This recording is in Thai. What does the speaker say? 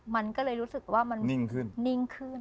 มันก็เลยรู้สึกว่ามันนิ่งขึ้น